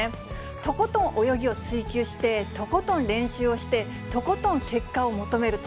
とことん泳ぎを追求して、とことん練習をして、とことん結果を求めると。